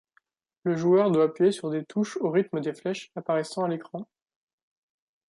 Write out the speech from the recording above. Le joueur doit appuyer sur des touches au rythme des flèches apparaissant à l'écran.